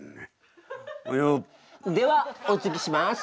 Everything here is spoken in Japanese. ではおつぎします。